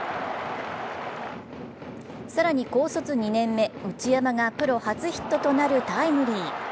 更に高卒２年目・内山がプロ初ヒットとなるタイムリー。